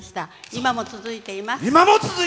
今も続いています。